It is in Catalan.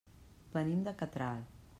Venim de Catral.